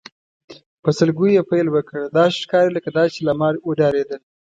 په سلګیو یې پیل وکړ، داسې ښکاري لکه دا چې له ما وډارېدل.